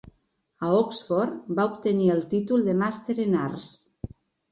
A Oxford va obtenir el títol de Màster en Arts.